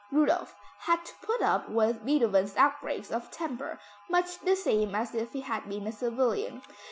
Rudolph had to put up with Beethoven's outbreaks of temper much the same as if he had been a civilian.